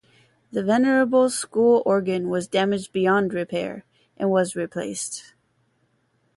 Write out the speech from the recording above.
The venerable school organ was damaged beyond repair and was replaced.